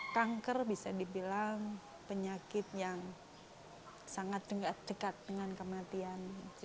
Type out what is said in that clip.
kanker bisa dibilang penyakit yang sangat dekat dengan kematian